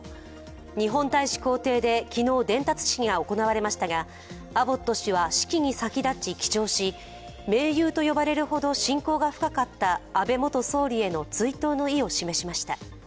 日本大使公邸で昨日伝達式が行われましたがアボット氏は式に先立ち記帳し、盟友と呼ばれるほど親交が深かった安倍元総理への追悼の意を示しました。